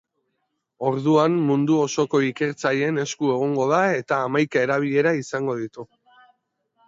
Orduan, mundu osoko ikertzaileen esku egongo da eta hamaika erabilera izango ditu.